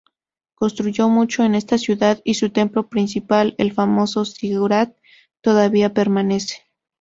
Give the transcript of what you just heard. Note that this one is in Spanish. Construyó mucho en esta ciudad, y su templo principal, el famoso zigurat, todavía permanece.